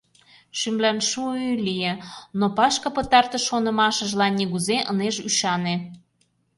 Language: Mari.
Шӱмлан шу-уй лие, но Пашка пытартыш шонымашыжлан нигузе ынеж ӱшане.